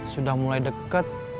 sudah mulai deket